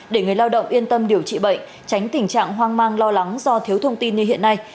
để người lao động yên tâm điều trị bệnh tránh tình trạng hoang mang lo lắng do thiếu thông tin như hiện nay